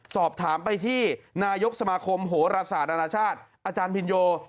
สอบถามไปที่นายกสมาคมโหรศาสตร์อนาชาติอาจารย์พินโย